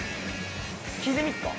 聞いてみっか。